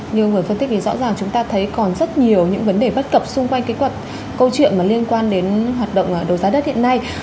như người phân tích thì rõ ràng chúng ta thấy còn rất nhiều những vấn đề bất cập xung quanh cái câu chuyện mà liên quan đến hoạt động đấu giá đất hiện nay